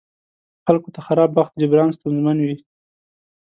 خلکو ته خراب بخت جبران ستونزمن وي.